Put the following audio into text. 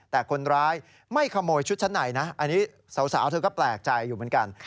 แต่คนร้ายไม่ขโมยชุดชั้นในนะอันนี้สาวเธอก็แปลกใจอยู่เหมือนกัน